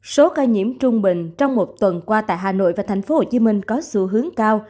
số ca nhiễm trung bình trong một tuần qua tại hà nội và tp hcm có xu hướng cao